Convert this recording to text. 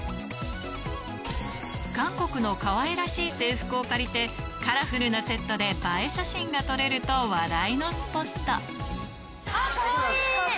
韓国のかわいらしい制服を借りてカラフルなセットで映え写真が撮れると話題のスポットあっかわいい。